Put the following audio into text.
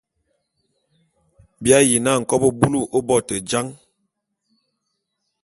Bi ayi na nkobô búlù ô bo te jan.